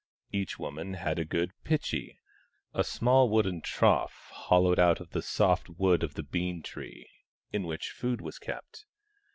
Each woman had a good pitchi, a small wooden trough hollowed out of the soft wood of the bean tree, in which food was kept.